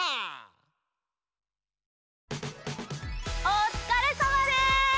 おつかれさまです！